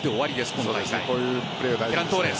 こういうプレーが大事です。